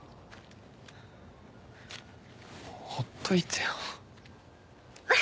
もうほっといてよ。